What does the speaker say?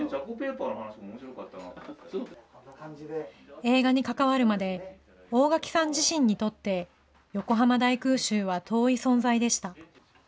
映画に関わるまで、大墻さん自身にとって、横浜大空襲は遠い存在でした。